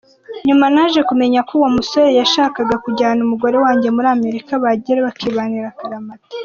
Nyuma naje kumenyako uwo musore yashakaga kujyana umugore wanjye muri Amerika bagerayo bakibanira akaramata.